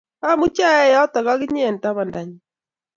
Amuchi ayai yote ak inye eng tapandanyu